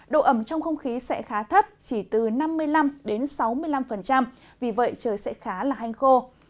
độ ẩm trong không khí sẽ khá thấp chỉ từ năm mươi năm sáu mươi năm vì vậy trời sẽ khá là hanh khô